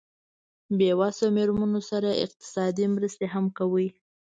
بې وسه مېرمنو سره اقتصادي مرستې هم کوي.